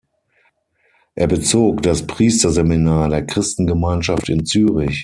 Er bezog das Priesterseminar der Christengemeinschaft in Zürich.